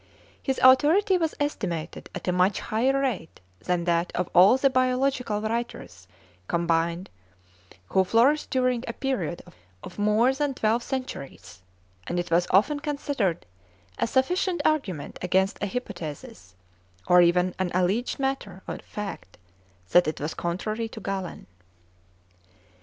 His authority was estimated at a much higher rate than that of all the biological writers combined who flourished during a period of more than twelve centuries, and it was often considered a sufficient argument against a hypothesis, or even an alleged matter of fact, that it was contrary to Galen.